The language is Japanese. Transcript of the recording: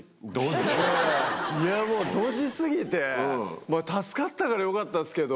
いやもうドジ過ぎて助かったからよかったですけど。